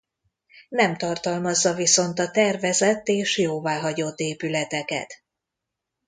Nem tartalmazza viszont a tervezett és jóváhagyott épületeket.